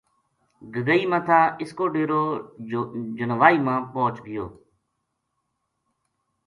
گگئی ما تھا اس کو ڈیرو جنوائی ما پوہچ گیو